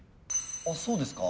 あそうですか？